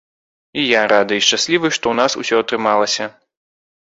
І я рады і шчаслівы, што ў нас усё атрымалася.